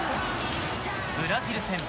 ブラジル戦。